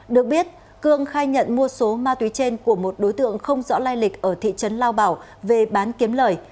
được biết cương khai nhận mua số ma túy trên của một đối tượng không rõ lai lịch ở thị trấn lao bảo về bán kiếm lời